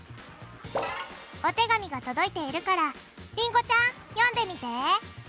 お手紙が届いているからりんごちゃん読んでみて！